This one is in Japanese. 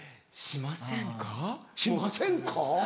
「しませんか？」。